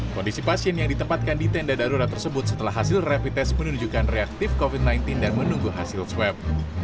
kondisi pasien yang ditempatkan di tenda darurat tersebut setelah hasil rapid test menunjukkan reaktif covid sembilan belas dan menunggu hasil swab